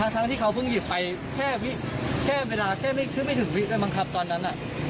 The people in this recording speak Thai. ทั้งที่เขาเพิ่งหยิบไปแค่เวลาแค่ไม่ถึงวิได้มั้งครับตอนนั้น